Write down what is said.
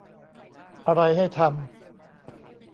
อะไรให้ทำ